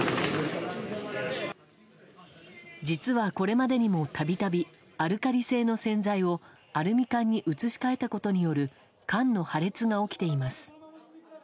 実は、これまでにもたびたびアルカリ性の洗剤をアルミ缶に移し替えたことによる缶の破裂が起きています。